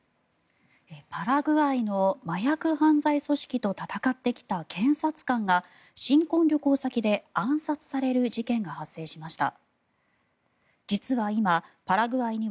パラグアイの麻薬犯罪組織と戦ってきた検察官が新婚旅行先で暗殺される事件が発生しました。